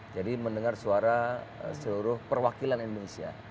jadi mendengar suara seluruh perwakilan indonesia